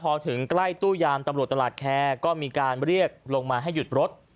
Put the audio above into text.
พอถึงใกล้ตู้ยามตำรวจตลาดแคร์ก็มีการเรียกลงมาให้หยุดรถ